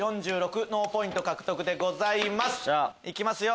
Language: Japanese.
いきますよ